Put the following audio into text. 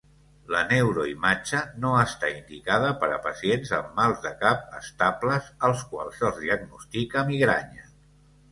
La neuroimatge no està indicada per a pacients amb mals de cap estables als quals se'ls diagnostica migranya.